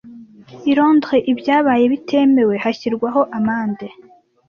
I Londres ibyabaye bitemewe hashyirwaho amande